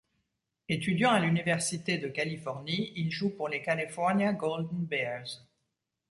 Étudiant à l'Université de Californie, il joue pour les California Golden Bears.